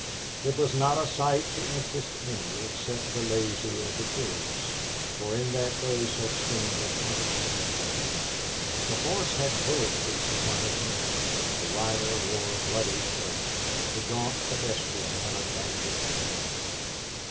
It was not a sight to interest any except the lazy or the curious, for in that day such things were common in North Platte. The horse had bullet creases on his neck; the rider wore a bloody shirt; the gaunt pedestrian had a bandaged arm.